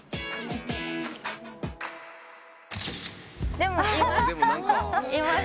でもいます！